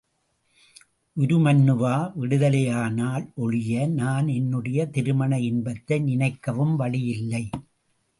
உருமண்ணுவா விடுதலையானால் ஒழிய, நான் என்னுடைய திருமண இன்பத்தை நினைக்கவும் வழியில்லை.